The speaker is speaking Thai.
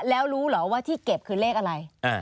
แล้วรู้เหรอว่าที่เก็บคือเลขอะไร